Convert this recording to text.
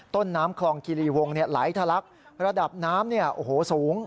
ต้นน้ำคลองกิริวงศ์ไหลทะลักระดับน้ำสูง